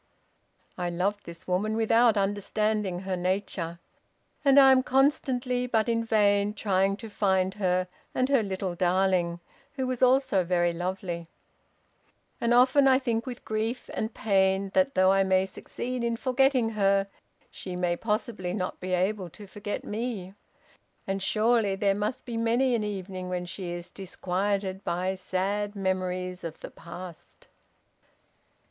"I loved this woman without understanding her nature; and I am constantly, but in vain, trying to find her and her little darling, who was also very lovely; and often I think with grief and pain that, though I may succeed in forgetting her, she may possibly not be able to forget me, and, surely, there must be many an evening when she is disquieted by sad memories of the past.